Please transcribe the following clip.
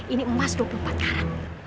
ini emas dua puluh empat karat